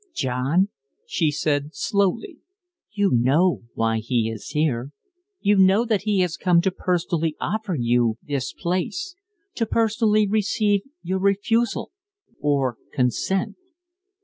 "John," she said, slowly, "you know why he is here.' You know that he has come to personally offer you this place; to personally receive your refusal or consent."